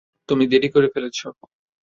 তুমি দেরী করে ফেলেছো!